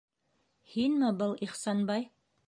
Һинме был, Ихсанбай?